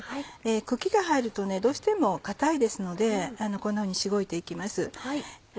茎が入るとどうしても硬いですのでこんなふうにしごいて行きます。